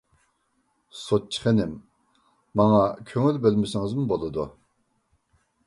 -سوتچى خېنىم، ماڭا كۆڭۈل بۆلمىسىڭىزمۇ بولىدۇ.